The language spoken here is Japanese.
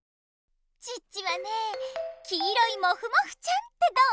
チッチはね「黄色いモフモフちゃん」てどう？